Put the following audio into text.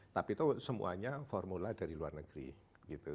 tapi itu semuanya formula dari luar negeri gitu